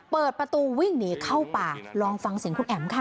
เปิดประตูวิ่งหนีเข้าป่าลองฟังเสียงคุณแอ๋มค่ะ